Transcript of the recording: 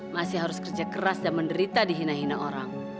masih harus kerja keras dan menderita dihina hina orang